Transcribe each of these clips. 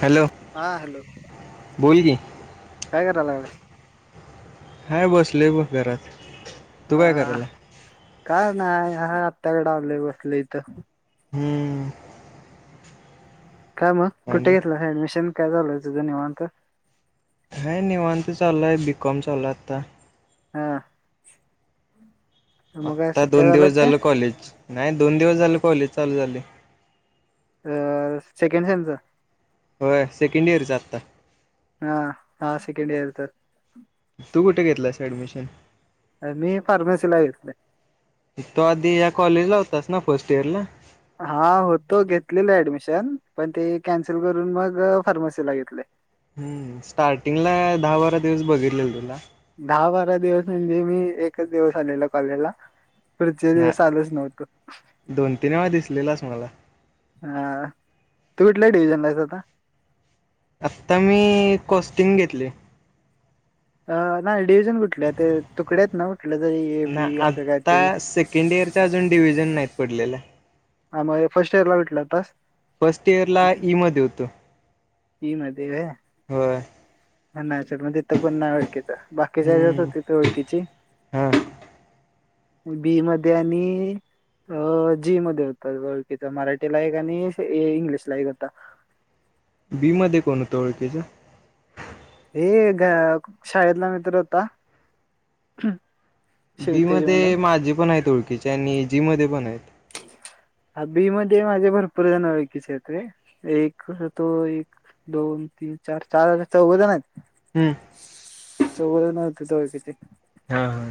Hello हा hello बोल की काय र रडल्या हाय बस ले बस घरात तू काय करायला का नाही हा आत्ताकडे आलेय बसले इथं हम्म काय मग कुठे आणि घेतलं ऍडमिशन काय झालंय तुझं निवण तर हे निवांत चाला आहे बीकॉम चाला आत्ता हा मग काय आता सुट्ट्या दोन झाल्यात दिवस झाल कॉलेज नाही दोन दिवस झालं कॉलेज चालू झाली अ सेकंड सेमचा होय सेकंड इयर चा आता हा हा सेकंड इयर चा तू कुठे घेतलास ऍडमिशन अ मी फार्मसीला घेतले तो आधी या कॉलेज ला होतास ना फर्स्ट इयर ला हा होतो घेतलेलं ऍडमिशन पण ते कॅन्सल करून मग फार्मसीला घेतले हम्म स्टार्टिंग ला दहा बारा दिवस बघितले तुला दहा बारा दिवस म्हणजे मी एकच दिवस आलेल कॉलेजला पुढचे ना दिवस आलच नव्हत दोन तीन वेळा दिसलेलास मला हा तू कुठल्या डिव्हजनलायच आता आता मी कॉस्ट्युम घेतले अ नाही डिव्हजन कुठले ते तुकडे आहेत ना कुठले जरी ए बी असं काय तरी सकंड इयरचा अजून डव्हिजन नाहीत पडलेला ह मग फर्स्ट इयर ला भटलं आतास फर्स्ट इयर ला ई मध्ये होतो ती म देव हो मग तिथं पुन्हा ओळखीच बाकीच्या हम्म होतीथ ओळखीची हा बी म आणि अ जी मध्ये होतात ळखकीचा मराठीला एक आणि इंग्लिशला एक होता बी मध्ये कोण होतं ओळखीच्या हे शाळेतला मित्र होता बी शिवतेज म्हणून मध्ये माझे पण आहेत ओळखीचे आणि जी मध्ये पण आहेत हबी मध्ये माझे भरपूर जण ओळखीचे येते एक क तो एक दोन तीन चार चार हजार चौघ जाण आहेत हम्म सर नव्हती त किती हा हा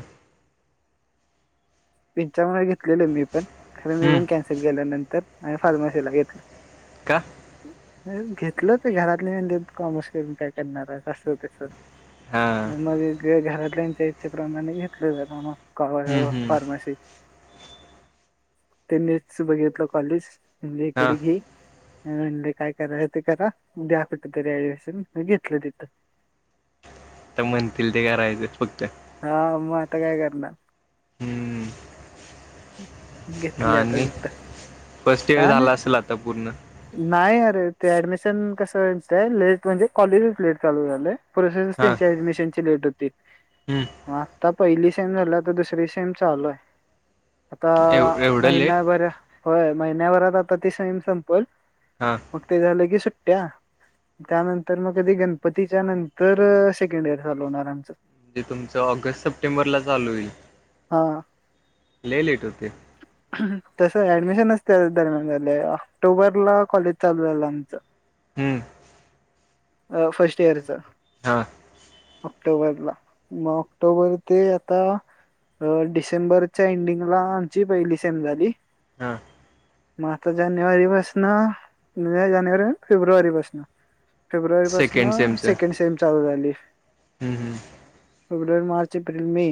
पिंच्यामुळे घेतलेलं मी पण खर मी हम्म पण कॅन्सल केल्यानंतर आणि फार्मसीला घेतलं काहा घेतलं ते घरातले म्हणजे कॉमर्स करून काय करणार अससंतेस हा मग घरातल्याच्या इच्छेप्रमाणे घेतले ज का मग कावा हम्म हम्म त्यांनीच बघितलं कॉलेज म्हणजे हा इकडे घे म्हणजे काय कराय ते करा उद्या कुठे तरी ऍडमिशन म घेतलं तिथं ता म्हणतील ते करायचं फक्त हा मग आता काय करणार हम्म हम् हा आणि फर्स्ट इयर का नाही झाला असेल आता पूर्ण नाही अरे ते ऍडमिशन कसं वयचंय लेट म्हणजे कॉलेजच लेट चालू झालं प्रोसेसच हा त्यांच्या ऍडमिशन ची लेट होती हम्म मग आत्ता पहिली सेम झाल्या तर दुसरी सेम चालूय आता एव एवढं लेट महिन्याभर होय महिन्याभरात आता त सयम संपल हां मग ते झालं की सुट्ट्या त्यानंतर मग कधी गणपतीच्या नंतर सेकंड इयर चालू होणार आमचं म्हणजे तुमचं ऑगस्ट सप्टेंबरला चालू होईल हा ल लेट होते तस ऍडमिशनच त्या दरम्यान झालंय ऑक्टोबर ला कॉलेज चालू झालं आमचं हम्म अ फर्स्ट इयर स हा ऑक्टोबरला मग ऑक्टोबर ते आता डिसेंबरच्या एंडिंगला आमची पहिली सेम झाली हा मात जानेवारी पाासन्या जानेवारी फेब्रुवारी पासून फेब्रुवारी पासून सेकंड सेकंड सेम चालू झाली हम् हम् फेब्रुवारी मार्च एप्रिल मे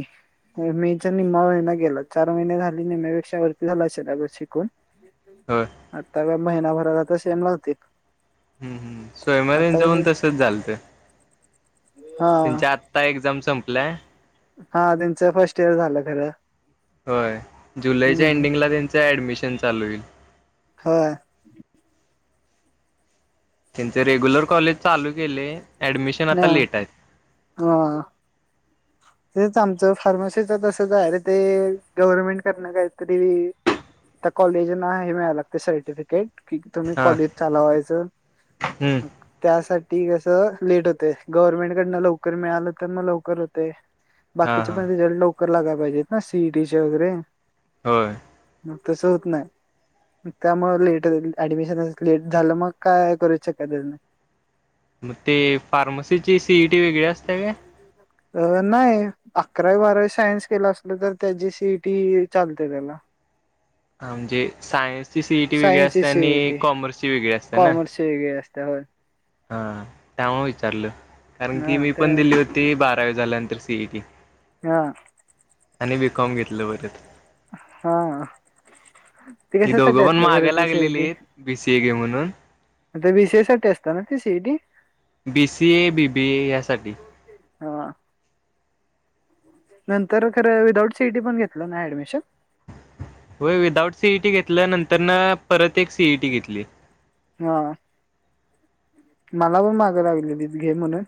मेच्या निम्मा महिना गेला चार महिने झाली नि पक्षा वती झाला असेलग शिकून ह आता व महिनाभराला तर सेम लागतील. हम्म हम स्वयमाारीन जेवण तसच झालत. हा त्यांच्या आत्ता एक्झाम संपलंय. हा त्यांचं फर्स्ट इयर झालं खरं. होय जुलैच्या हम्म एंडिंगला त्यांचं ऍडमिशन चालू होईल. होय त्यांचे रेग्युलर कॉलेज चालू केले ऍडमिशन आता ना लेट आहे. हा तेच आमचं फार्मसीच तसं जा आहे र ते गव्हर्नमेंट करनं काहीतरी. त्या कॉलेजना ह हे मिळाय लागते सर्टिफिकेट. क तुम्ही हा कॉलेज चालवायचं हम्म त्यासाठी कसं लेट होते गव्हर्नमेंट कडनं लवकर मिळालं तर मग लवकर होतेय. हा बाकीचे हा पण रिझल्ट लवकर लागायला पाहिजेत ना सीईडीचे वगैरे होय. मग तसं होत नाही. त्या मग लेट ऍडमिशन लेट झालं मग काय करूच शकत त्या नाही. मग ते फार्मसीची सीईटी वेगळे असते का? अ नाही अकरावी बारावी सायन्स केला असलं तर त्याची सीईटी चालते त्याला [unintelligible] हा म्हणजे सायन्स ची सीई टी वेगळी सायन्सची असते आणि कॉमर्सची वेगळी असते ना. क आहे असं हो. हा त्यामुळे विचारलं कारण की हा मी ते पण दिली होती बारावी झाल्यानंतर सीईटी. हा. आणि बीकॉम घेतले होत. हा. ते ही कशासाठी दोघं पण असतं खरं मागायला ते लागलेली आहेत बीसीए घे म्हणून. ते बी सी ए साठी असतात ना ती CED. B C A B बी ए यासाठी. हा. नंतर खरं विदाऊट सिटी पण घेतल ना ऍडमिशन. होय विदाऊट सीईटी घेतल्या नंतर ना परत एक सीईटी घेतली. हा. मला पण मागं लागलीतीत घे म्हणून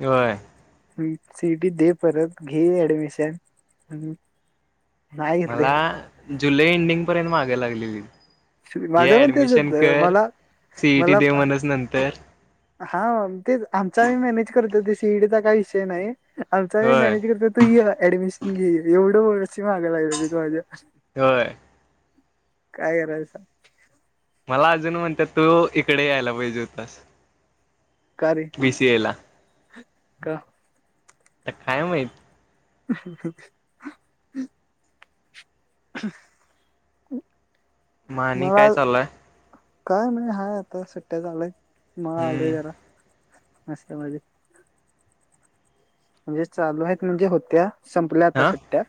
व्हय. ह सीएटी दे परत घे ऍडमिशन. नाही घेतले मला जुलै एंडिंग पर्यंत माग लागलेली ये माझं पण तेच ऍडमिशन होत कर मला सीईटी मला दे म्हणच नंतर. हा तेच आमचा आम्ही मॅनेज करतो ते सीईडीचा काही विषय नाही. आमचा मी होय मॅनेज करत तू ऍडमिशन घे एवढं वर्षची माग लागलेली तू माझ्या व्हय. काय करायचं? मला अजून म्हणतात तू इकडे यायला पाहिजे होतास. का रे बीसीएला का तर काय माहित. ह ह हा. मग आणि काय मलाला चालू आहे काय नाही हाय आता सुट्ट्या लागल्यात म्हणून आलाय हम्म जरा ना म [unintelligible] म्हणजे चालू आहेत म्हणजे होत्या. संपल्या आता हा सुट्ट्या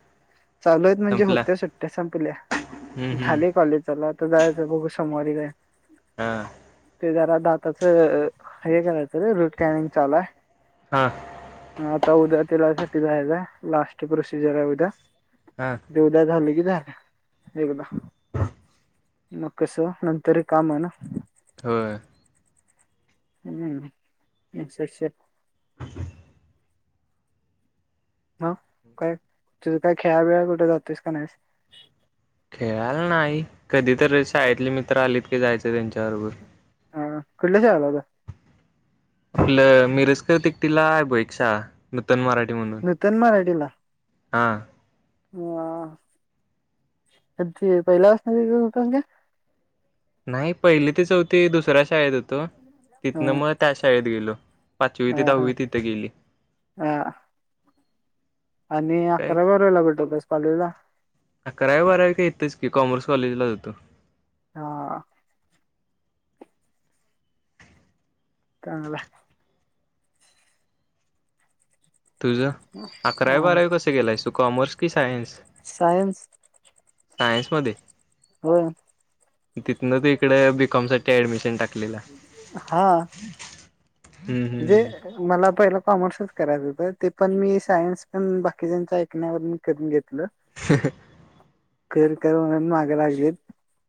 चालूत म्हणजे संपला होत्या सुट्ट्या संपल्या. हम्म हम्म झाले कॉलेजला तर जायचं बघू सोमवारी जायाला. हम. ते जरा दाताचं हे करायचं रे रूट कॅनिंग चालूय. हा. हा आता उद्या तलासाठी जायला लास्ट प्रोसिजर आहे उद्या हां. दे उद्या झाले की झालं एकदा मग कस नंतर कामा ना. हो. हम्म् स स ह. ह काय तुझं काय खेळाबेळा कुठे जातोयस का नाहीस. खेळाल नाही कधी तर शाळेतले मित्र आलेत की जायचं त्यांच्याबरोबर हा कुठल्या शाळेत आला होता आपलं मिरजकर तिकटीला आहे बोईट नूतन मराठी म्हणून. नूतन मराठी ला. हां कधदी पहिल्या वाास होत का? नाही पहिली ते चौथी दुसऱ्या शाळेत होतो ह तिथनं मग त्या शाळेत गेलो. पाचवी ते दहावी तिथे गेली. हां आणि काय अकरा वरायला भेटोस कॉलेजला. अकरावी बारावी का येतंच की कॉमर्स कॉलेजला होातो. हां चांगलय. तुझं अकरावी बारावी कसं ग केलंयस तू कॉमर्स कि सायन्स? सायन्स. सायन्समध्ये हो तिथनं त इकडे बीकॉम साठी ऍडमिशन टाकलेलं. जे मला पहिलं कॉमर्सच करायचं होतं ते पण मी सायन्स पण बाकीच्यांच्या ऐकण्यावरून करून घेतलं [inaudible] ख कर म्हणून माग लागलेत.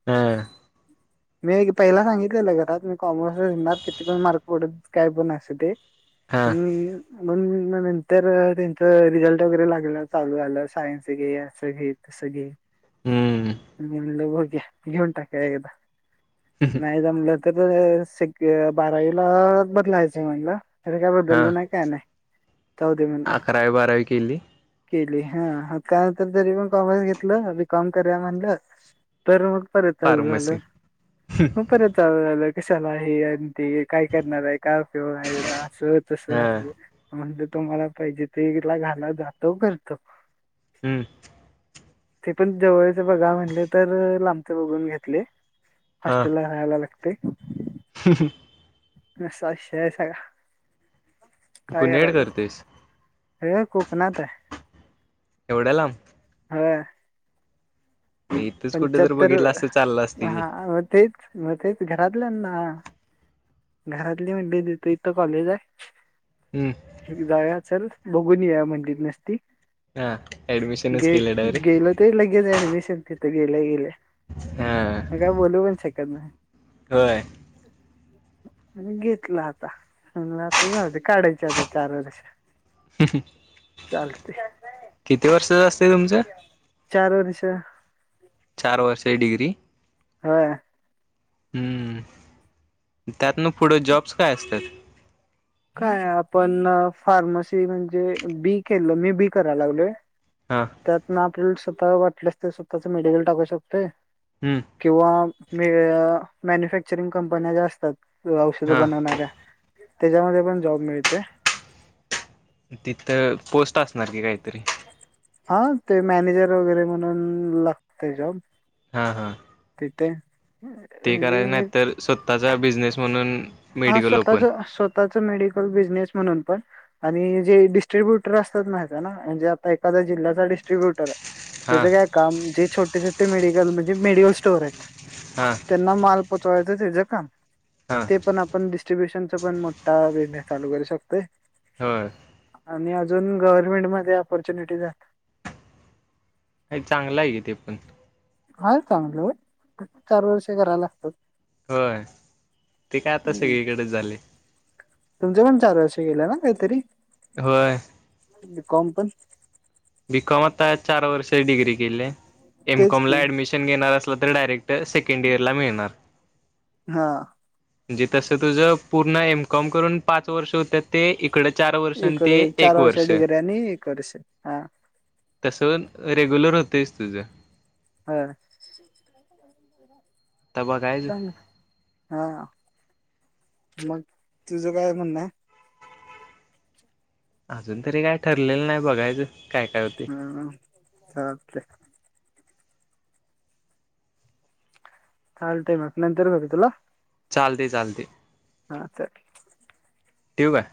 हां मी पहिला सांगितलेलं घरात मी कॉमर्स जणार किती पण मार्क पडत काय पण असते ते. हा [unintelligible] मग नंतर त्यांच रिझल्ट वगैरे लागलं चालू आलं सायन्स घे असं घे हम्म ग म्हणल घेऊन टाका एकदा नाही जमलं तर से बारावीला बदलायचं म्हणलं. अर काय हा. बदलल नाही काय नाही जाऊदे म्हटलं अकरावी बारावी केली केली हा कानंतर जरी पण कॉमर्स घेतलं बीकॉम करुया म्हणलं. तर मग परत चालू झालं फार्मसी मग परत आलं कशाला आहे अ ते काय करणार आहे उपयोग आहे अस तस हा अस म्हणज तुम्हाला पाहिजे तेला घायला जातो करतो. हम्म ते पण जवळच बघा म्हटले तर लांबचे बघून घेतले हॉस्टेलला. काला लागते ह असा विषय आहे सगळा काय कुणीकडे करायच करतोयस हे कोकणात आहे. एवढ्या लांब ह्ं इथच कुठे तर पंचाहत्तर बघितलं असतं चाललं असत ह की मग तेच मग तेच घरातल्या ना घरातली म्हणली तथ इथ कॉलेज आहे. हम्म जाऊ चल बघून या म्हणली नसती हा अऍडमिशनच केल डायरेक्ट. त लगेच ऍडमिशन तिथे गेल्या गेल्या. हां म काय बोलू पण शकत नाही. होय ह आणि घेतला आता म्हला आता झाऊ काढायचे आता चार वर्ष चालते किती वर्ष जा असत तुमचं चारूर्ष चार वर्षची डिग्री हा हम्म त्यातन पुढं जॉब्स काय असतात काय आपण फार्मसी म्हणजे बी केलं मी बी करायला लागलोय हा त्यातन आपल्याला स्वतः वाटल्यास ते स्वतःच मेडिकल टाकू शकते हम्म किंवा मे मॅन्युफॅक्चरिंग कंपन्या ज्या असतात औषध हा बनवणाऱ्या त्याच्यामध्ये पण जॉब मिळतोय तिथं पोस्ट असणार की काहीतरी हा ते मॅनेजर वगैरे म्हणून लागते जॉब हा हा ति ते ते करायच नाहीत तर स्वतःचा बिझनेस म्हणून हा मेडिकल स्वतःच ओपन स्वतःच मेडिकल बिझनेस म्हणून पण आणि जे डिस्ट्र्रीब्युटर असतात माय ना म्हणजे आता एखाद्या जिल्ह्याचा डिस्ट्रीब्युटर आहे हां त्याचं काय काम जे छोटे छोटे मेडिकल म्हणजे मेडिकल स्टोअर आहेत हा त्यांना माल पोचवायचं ते ज काण हां ते पण पण डिस्ट्रीब्युशनचा पण मोठा बिझनेस लू करू शकतय हा आणि अजून गव्हर्नमेंटमध्येध्ये अपॉर्च्युनिटी का चांगलं आहे कि ते पण हा चांगलं चार वर्ष करायला असतात हय ते काय आता हम्म. सगळीकडे झाले तुमचे पण ारू असे गे ना काहीतरी होय कॉम पण बीकॉम आता चार वर्ष डग्री केले तेच एमकॉम की ला ऍडमिशन न घेणार असलं तर डायरेक्ट सेकंड इयरला मिळणार हा म्हणजे तसं तुझं पूर्ण एम कॉम करून पाच वर्ष होत ते इकडे चार वर्ष आणि ते इकडे चार एक वर्ष डिग्री आणि एक वर्ष हा तसं रेग्युलर होतंच तुझं हो [inaudible] आता चांग बघायचं हा मग तुझं काय म्हणणं अजून तरी काय ठरलेलं नाही बघायचं काय काय होते हम् चे चाल टाईम आहे नंतर ब तुला चालते चालते हा सरी ठव का